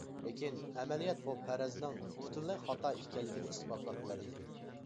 لېكىن ئەمەلىيەت بۇ پەرەزنىڭ پۈتۈنلەي خاتا ئىكەنلىكىنى ئىسپاتلاپ بەردى.